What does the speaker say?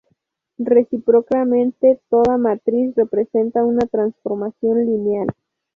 Recíprocamente, toda matriz representa una transformación lineal.